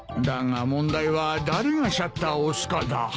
だが問題は誰がシャッターを押すかだ。